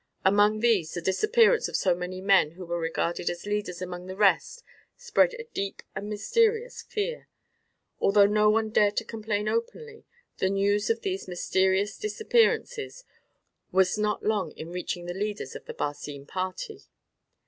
Among these the disappearance of so many men who were regarded as leaders among the rest spread a deep and mysterious fear. Although none dared to complain openly, the news of these mysterious disappearances was not long in reaching the leaders of the Barcine party.